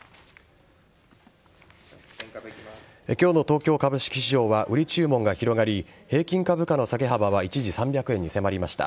今日の東京株式市場は売り注文が広がり平均株価の下げ幅は一時３００円に迫りました。